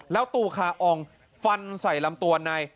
แล้วตูคาอองฟันใส่ลำตัวใน